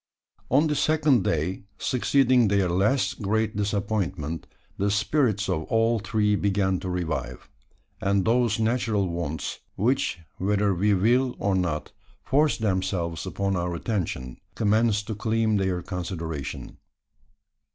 On the second clay succeeding their last great disappointment, the spirits of all three began to revive; and those natural wants which, whether we will or not, force themselves upon our attention commenced to claim their consideration.